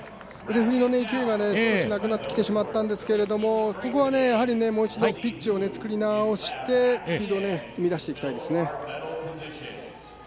腕振りの勢いが少しなくなってしまったんですけどここはもう一度、ピッチをつくり直して、スピードを生み出していきたいですね。